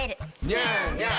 ニャーニャー。